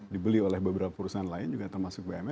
dibeli oleh beberapa perusahaan lain juga termasuk bumn